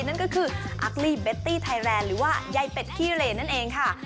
นั่นก็คืออักลี่เบตตี้ไทยแลนด์หรือว่ายายเป็ดขี้เลนั่นเองค่ะ